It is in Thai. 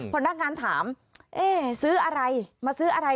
พนักงานถามซื้ออะไรมาซื้ออะไร